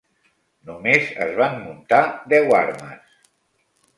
Només es van muntar deu armes.